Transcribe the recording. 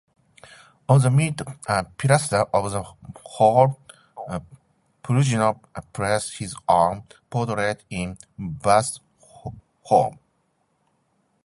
On the mid-pilaster of the hall Perugino placed his own portrait in bust-form.